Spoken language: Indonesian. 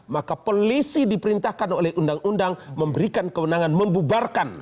maka polisi diperintahkan oleh undang undang memberikan kewenangan membubarkan